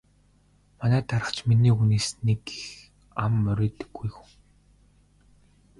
Манай дарга ч миний үгнээс нэг их ам мурийдаггүй хүн.